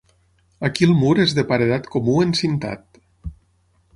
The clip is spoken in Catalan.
Aquí el mur és de paredat comú encintat.